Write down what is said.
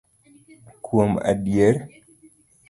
Kuom adier